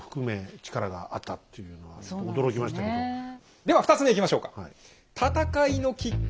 では２つ目いきましょうか。